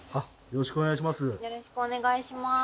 よろしくお願いします。